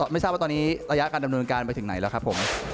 ไม่ทราบว่าตอนนี้ระยะการดำเนินการไปถึงไหนแล้วครับผม